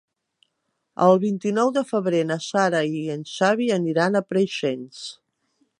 El vint-i-nou de febrer na Sara i en Xavi aniran a Preixens.